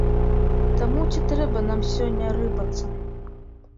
Таму ці трэба нам сёння рыпацца?